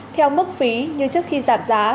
theo mức phí như trước khi giảm giá